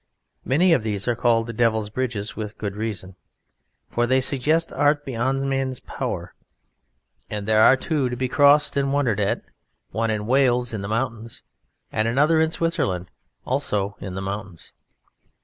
Many of these are called the Devil's Bridges with good reason, for they suggest art beyond man's power, and there are two to be crossed and wondered at, one in Wales in the mountains, and another in Switzerland, also in the mountains.